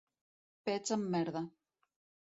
Pets amb merda.